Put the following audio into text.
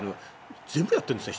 全部やってるんですね。